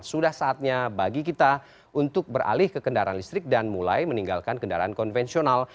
sudah saatnya bagi kita untuk beralih ke kendaraan listrik dan mulai meninggalkan kendaraan konvensional